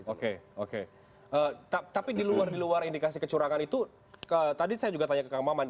oke oke tapi di luar di luar indikasi kecurangan itu tadi saya juga tanya ke kang maman